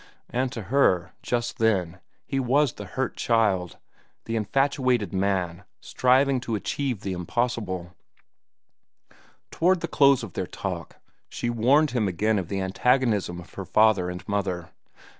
And to her, just then, he was the hurt child, the infatuated man striving to achieve the impossible. Toward the close of their talk she warned him again of the antagonism of her father and mother.